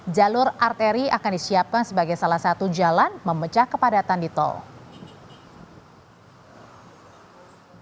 jalur arteri akan disiapkan sebagai salah satu jalan memecah kepadatan di tol